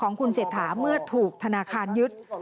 ของคุณเศรษฐาเมื่อถูกธนาคารยึด